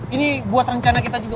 ini buat rencana kita juga